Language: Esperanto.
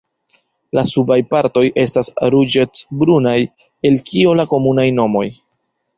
La subaj partoj estas ruĝecbrunaj, el kio la komunaj nomoj.